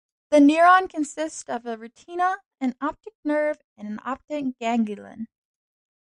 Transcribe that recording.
The neuron consists of a retina, an optic nerve, and an optic ganglion.